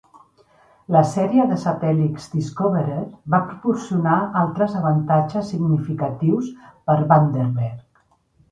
La sèrie de satèl·lits Discoverer va proporcionar altres avantatges significatius per Vandenberg.